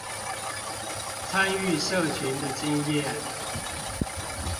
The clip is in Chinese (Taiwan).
參與社群的經驗